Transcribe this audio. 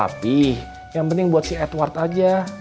tapi yang penting buat si edward aja